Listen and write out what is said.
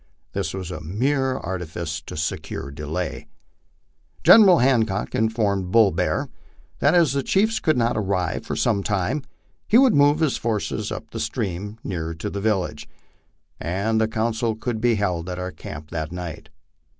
This was a mere artifice to secure delay. General Hancock informed Bull Bear that as the chiefs oould not arrive for some time, he would move his forces up the stream nearer to the village, and the council could be held at our camp that night.